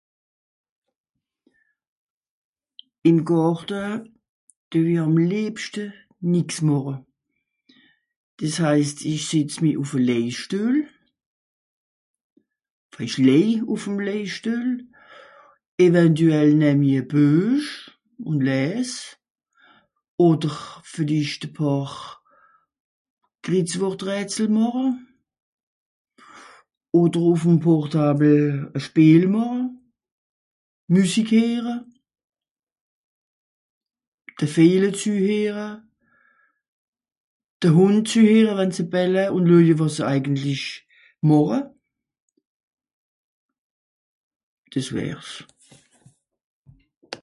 im gàrte de ì àm lebste nix màche des heist ìsch setz mi ùff à lèjstuhl ìsch lei ùff'm lèjstuhl eventuel nemmi à beùch ùn làss oder vilicht a paar gritzwortrètsel màche oder ùff'm portabel à schpeel màche music here de vèjel zuhere de hùnd zuhere wan se bèllè ùn lòje was se èigentilch màche des wàrs